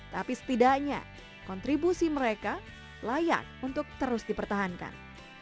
tapi setidaknya kontribusi mereka layak untuk terus dipertahankan